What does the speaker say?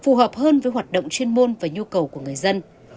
phù hợp hơn với hoạt động chuyên môn và nhu cầu của người dân